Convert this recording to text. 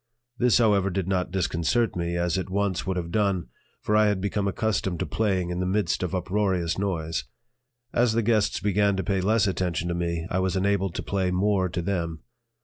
This, however, did not disconcert me as it once would have done, for I had become accustomed to playing in the midst of uproarious noise. As the guests began to pay less attention to me, I was enabled to pay more to them.